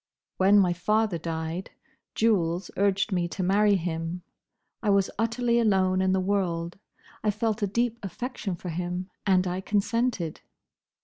When my father died, Jules urged me to marry him. I was utterly alone in the world; I felt a deep affection for him; and I consented."